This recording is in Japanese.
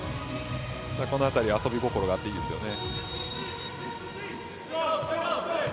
この辺り、遊び心があっていいですよね。